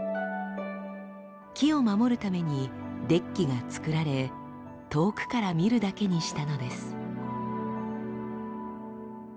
木を守るためにデッキが作られ遠くから見るだけにしたのです。